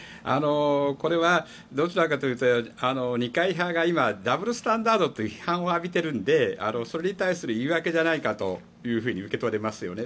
これはどちらかというと二階派が今ダブルスタンダードという批判を浴びているのでそれに対するいいわけじゃないかと受け取れますよね。